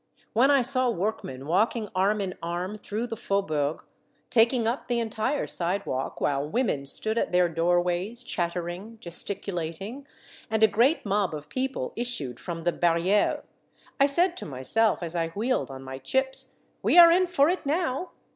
When I saw workmen walking arm in arm through the faubourg, taking up the entire sidewalk, while women stood at their doorways, chattering, gesticu lating, and a great mob of people issued from the barrieres, I said to myself as I wheeled on my chips, " We are in for it now